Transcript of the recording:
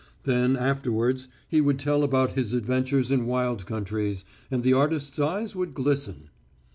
Then afterwards he would tell about his adventures in wild countries, and the artist's eyes would glisten.